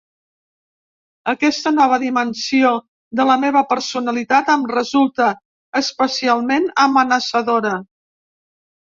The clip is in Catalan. Aquesta nova dimensió de la meva personalitat em resulta especialment amenaçadora.